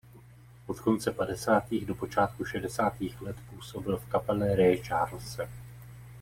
Od konce padesátých do počátku šedesátých let působil v kapele Raye Charlese.